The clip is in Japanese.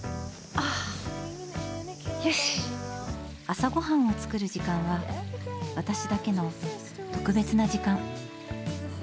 朝ごはんを作る時間は私だけの特別な時間。